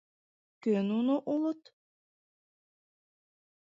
Кӧ нуно улыт?!